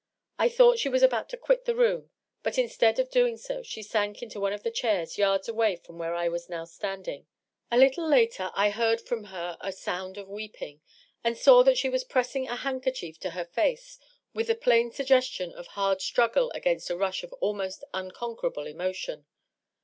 I thought she was about to quit the room, but instead of doing so she sank into one of the chairs yards away from where I was now standing. .. A little later I heard from her a sound of weeping, and saw that she was pressing a handkerchief to her &ce with the plain suggestion of hard struggle against a rush of almost unconquerable emotion.